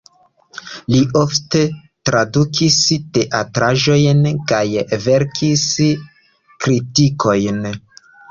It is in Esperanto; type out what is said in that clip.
Li ofte tradukis teatraĵojn kaj verkis kritikojn.